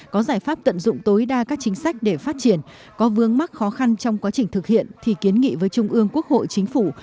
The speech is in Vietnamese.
có giải pháp tận dụng tối đa các chính sách để phát triển có vương mắc khó khăn trong quá trình thực hiện thì kiến nghị với trung ương quốc hội chính phủ